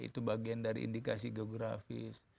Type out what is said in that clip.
itu bagian dari indikasi geografis